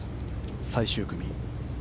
最終組。